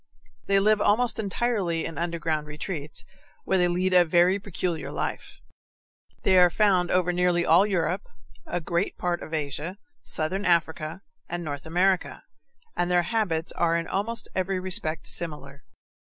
They live almost entirely in underground retreats, where they lead a very peculiar life. They are found over nearly all Europe, a great part of Asia, southern Africa, and North America, and their habits are in almost every respect similar.